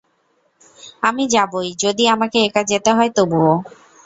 আমি যাবোই, যদি আমাকে একা যেতে হয় তবুও!